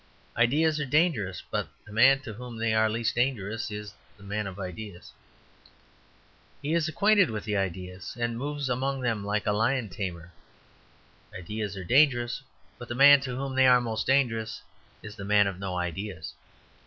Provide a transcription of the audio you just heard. Ideas are dangerous, but the man to whom they are least dangerous is the man of ideas. He is acquainted with ideas, and moves among them like a lion tamer. Ideas are dangerous, but the man to whom they are most dangerous is the man of no ideas.